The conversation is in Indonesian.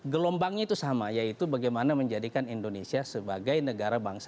gelombangnya itu sama yaitu bagaimana menjadikan indonesia sebagai negara bangsa